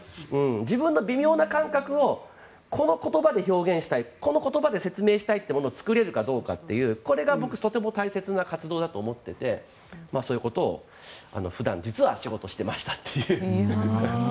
自分の微妙な感覚をこの言葉で表現したいこの言葉で説明したいってことを作れるかどうかこれが僕、とても大切な活動だと思っていてそういうことを普段実は仕事してましたという。